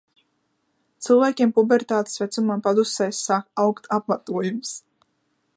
Cilvēkiem pubertātes vecumā padusēs sāk augt apmatojums.